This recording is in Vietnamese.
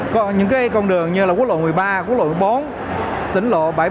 có những con đường như là quốc lộ một mươi ba quốc lộ một mươi bốn tỉnh lộ bảy trăm bốn mươi một